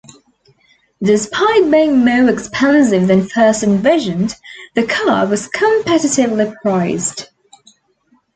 Despite being more expensive than first envisioned, the car was competitively priced.